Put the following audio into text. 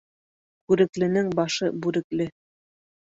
Күрекленең башы бүрекле.